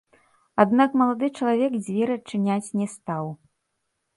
Аднак малады чалавек дзверы адчыняць не стаў.